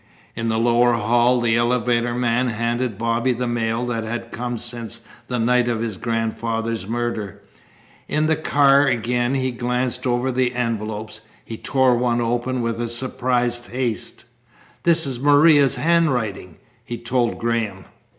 In the lower hall the elevator man handed Bobby the mail that had come since the night of his grandfather's murder. In the car again he glanced over the envelopes. He tore one open with a surprised haste. "This is Maria's handwriting," he told Graham.